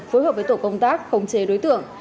phối hợp với tổ công tác khống chế đối tượng